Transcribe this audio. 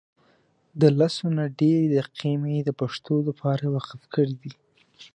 دلسونه ډیري دقیقی مي دپښتو دپاره وقف کړي دي